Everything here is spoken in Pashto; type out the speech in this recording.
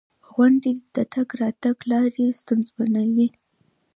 • غونډۍ د تګ راتګ لارې ستونزمنوي.